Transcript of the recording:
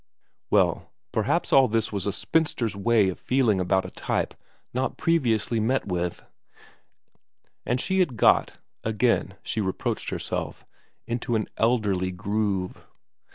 Well, perhaps all this was a spinster's way of feeling about a type not previously met with, and she had got again she reproached herself into an elderly groove.